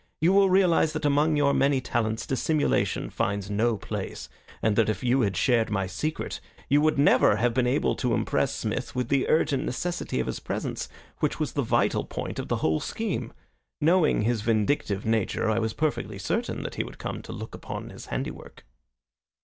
You will realize that among your many talents dissimulation finds no place, and that if you had shared my secret you would never have been able to impress Smith with the urgent necessity of his presence, which was the vital point of the whole scheme. Knowing his vindictive nature, I was perfectly certain that he would come to look upon his handiwork."